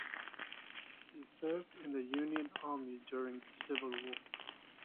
He served in the Union army during the Civil War.